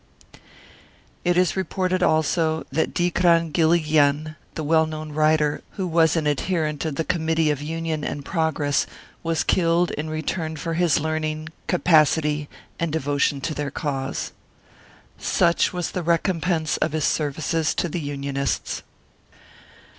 It is reported also that Dikran Ghilighian, the well known writer, who was an adherent of the Committee of Union and Progress, was killed in return for his learning, capacity, and devotion to their cause. Such was the recompense of his services to the Unionists.